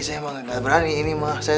saya emang gak berani ini saya